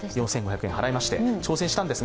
４５００円払いまして。